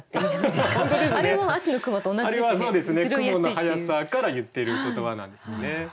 雲の速さからいっている言葉なんですよね。